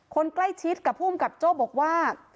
คนใกล้ชิดกับภูมิกับโจ้บอกว่า